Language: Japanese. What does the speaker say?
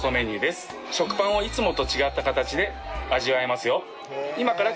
食パンをいつもと違った形で味わえますよ。